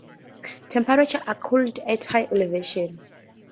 Temperatures are cooler at higher elevations.